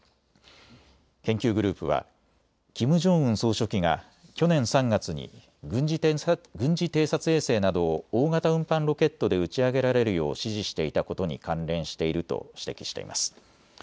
研究グループはキム・ジョンウン総書記が去年３月に軍事偵察衛星などを大型運搬ロケットで打ち上げられるよう指示していたことに関連していると指摘しています。